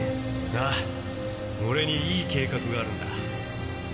なあ俺にいい計画があるんだ。